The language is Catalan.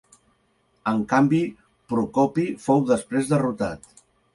En canvi Procopi fou després derrotat.